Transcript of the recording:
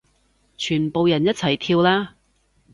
全部人一齊跳啦